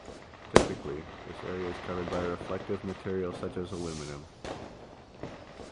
Typically, this area is covered by a reflective material such as aluminium.